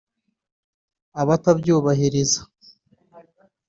abatabyubahiriza